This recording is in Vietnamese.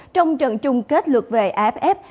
trong trận chung kết luật về aff